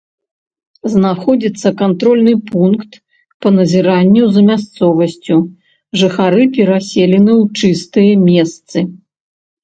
Знаходзіцца кантрольны пункт па назіранню за мясцовасцю, жыхары пераселены ў чыстыя месцы.